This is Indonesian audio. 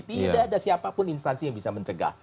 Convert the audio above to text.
tidak ada siapa pun instansi yang bisa mencegah